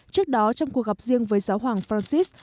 trước đó trong cuộc gặp riêng với giáo hoàng francis